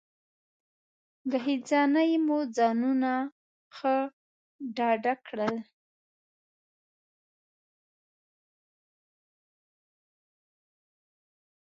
ګهیځنۍ مو ځانونه ښه ډېډه کړل.